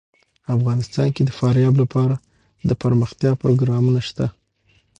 افغانستان کې د فاریاب لپاره دپرمختیا پروګرامونه شته.